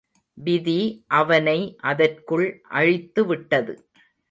விதி அவனை அதற்குள் அழித்துவிட்டது.